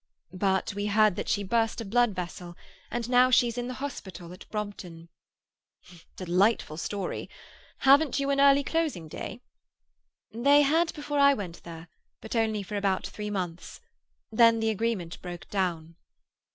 But we heard that she burst a blood vessel, and now she's in the hospital at Brompton." "Delightful story! Haven't you an early closing day?" "They had before I went there; but only for about three months. Then the agreement broke down."